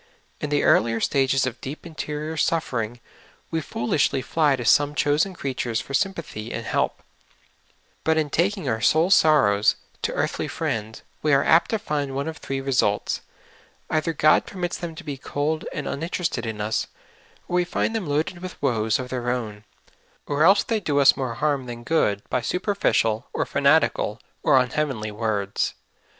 In the earlier stages of deep interior suffering we foolishly fly to some chosen creatures for S3'mpathy and help ; but in taking our soul sorrows to earthly friends, we are apt to find one of three results — either God permits them to be cold and uninterested in us, or we find them loaded with woes of their own, or else the}^ do us more harm than good by superficial, or fanatical, or unheav enly words.